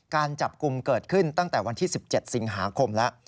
การจับกลุ่มเกิดขึ้นตั้งแต่วันที่๑๗สิงหาคมแล้ว